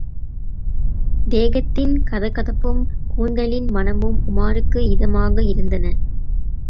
தேகத்தின் கதகதப்பும் கூந்தலின் மணமும் உமாருக்கு இதமாக இருந்தன.